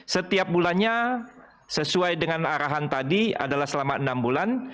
setiap bulannya sesuai dengan arahan tadi adalah selama enam bulan